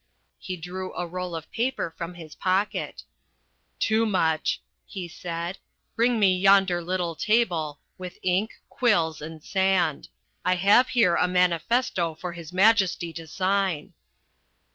He drew a roll of paper from his pocket. "Toomuch," he said, "bring me yonder little table, with ink, quills and sand. I have here a manifesto for His Majesty to sign."